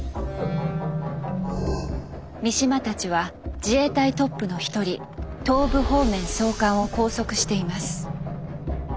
三島たちは自衛隊トップの一人東部方面総監を拘束しています。